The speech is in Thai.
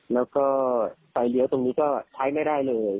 แล้วก็ไฟเลี้ยวตรงนี้ก็ใช้ไม่ได้เลย